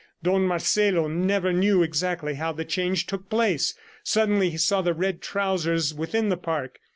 Don Marcelo never knew exactly how the change took place. Suddenly he saw the red trousers within the park.